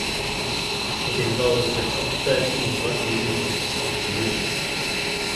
It involved the top thirteen rugby unions of New Zealand.